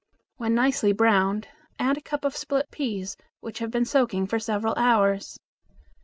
When nicely browned add a cup of split peas which have been soaking for several hours.